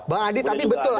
bang adi tapi betul